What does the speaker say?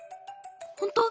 ほんと？